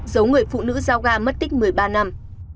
giấu người phụ nữ giao ga mất tích một mươi ba năm